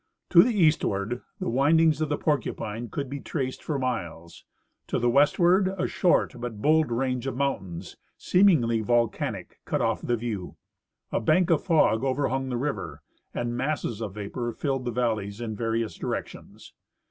To the eastward the windings of the Porcupine could be traced for miles ; to the westward a short but bold range of mountains, seemingly volcanic, cut off" the view. A bank of fog overhung the river, and masses of vapor filled the valleys in various directions.